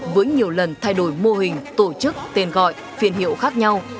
với nhiều lần thay đổi mô hình tổ chức tên gọi phiên hiệu khác nhau